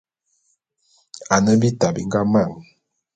Ane bita bi nga man.